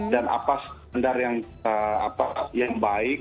dan apa sendar yang baik